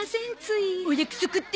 お約束ってやつ？